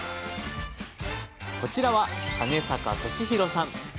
こちらは金坂敏弘さん。